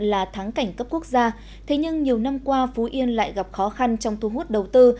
là tháng cảnh cấp quốc gia thế nhưng nhiều năm qua phú yên lại gặp khó khăn trong thu hút đầu tư